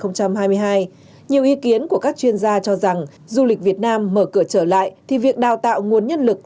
nhiều ý kiến của các chuyên gia cho rằng du lịch việt nam mở cửa trở lại thì việc đào tạo nguồn nhân lực